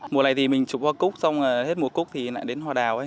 mùa này thì mình chụp hoa cúc xong hết mùa cúc thì lại đến hoa đào